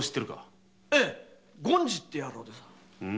権次って野郎でさ。